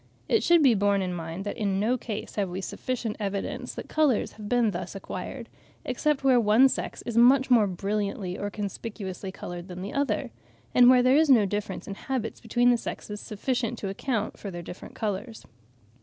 It should be borne in mind that in no case have we sufficient evidence that colours have been thus acquired, except where one sex is much more brilliantly or conspicuously coloured than the other, and where there is no difference in habits between the sexes sufficient to account for their different colours.